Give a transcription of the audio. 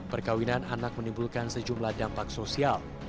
perkawinan anak menimbulkan sejumlah dampak sosial